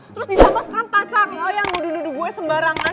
terus ditambah sekarang pacar lo yang dudududu gue sembarangan